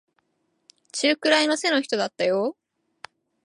中くらいの背の人だったよ。